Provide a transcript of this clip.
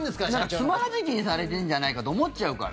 つまはじきにされてんじゃないかと思っちゃうから。